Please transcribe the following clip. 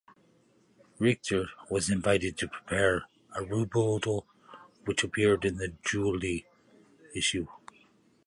Richter was invited to prepare a rebuttal, which appeared in the July issue.